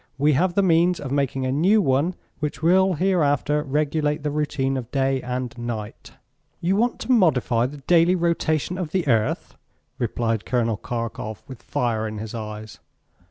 "We have the means of making a new one which will hereafter regulate the routine of day and night." "You want to modify the daily rotation of the earth?" repeated Col. Karkof, with fire in his eyes.